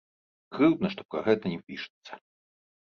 Крыўдна, што пра гэта не пішацца.